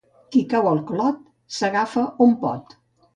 Qui cau al clot, s'agafa on pot.